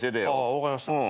分かりました。